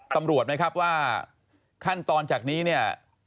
ตำรวจไหมครับว่าขั้นตอนจากนี้เนี่ย